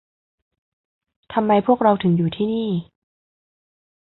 ทำไมพวกเราถึงอยู่ที่นี่ ?